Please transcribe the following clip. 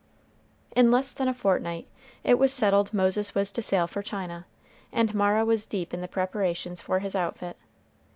In less than a fortnight, it was settled Moses was to sail for China, and Mara was deep in the preparations for his outfit.